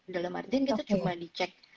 dalam artian kita cuma dicek